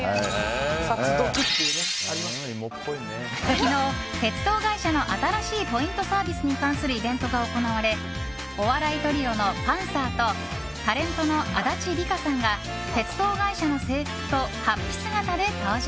昨日、鉄道会社の新しいポイントサービスに関するイベントが行われお笑いトリオのパンサーとタレントの足立梨花さんが鉄道会社の制服と法被姿で登場。